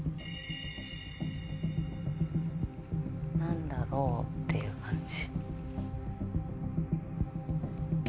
何だろうっていう感じ。